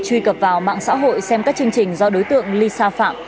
truy cập vào mạng xã hội xem các chương trình do đối tượng lisa phạm